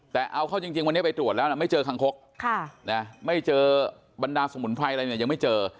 แต่เอาเข้าจริงวันนี้ไปตรวจแล้วนะไม่เจอคังคกไม่เจอบรรดาสมุนไพรอะไรเนี่ยยังไม่เจอ